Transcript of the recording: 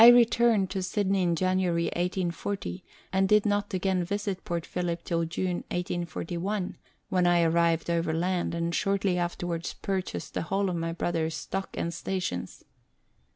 returned to Sydney in January 1840, and did not again visit Port Phillip till June 1841, when I arrived overland, and shortly afterwards purchased the whole of my brother's stock and stations.